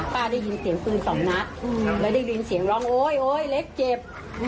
ได้ยินเสียงปืนสองนัดแล้วได้ยินเสียงร้องโอ๊ยโอ๊ยเล็กเจ็บ